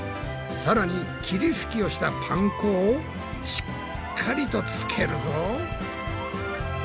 さらに霧吹きをしたパン粉をしっかりとつけるぞ。